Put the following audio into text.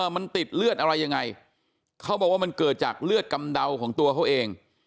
มันติดเลือดอะไรยังไงเขาบอกว่ามันเกิดจากเลือดกำเดาของตัวเขาเอง